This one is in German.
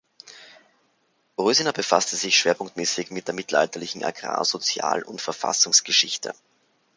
Rösener befasst sich schwerpunktmäßig mit der mittelalterlichem Agrar-, Sozial- und Verfassungsgeschichte.